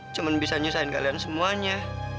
cuma bisa nyusahin kalian semuanya